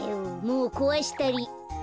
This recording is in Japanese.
もうこわしたり。